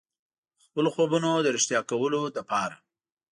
د خپلو خوبونو د ریښتیا کولو لپاره.